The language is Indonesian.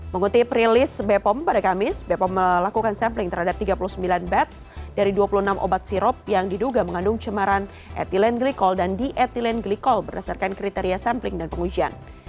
mengutip rilis bepom pada kamis bepom melakukan sampling terhadap tiga puluh sembilan bats dari dua puluh enam obat sirop yang diduga mengandung cemaran etilen glikol dan dietilen glikol berdasarkan kriteria sampling dan pengujian